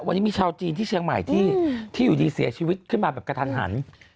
วันนี้มีชาวจีนที่เชียงใหม่ที่อยู่ดีเสียชีวิตขึ้นมาแบบกระทันหัน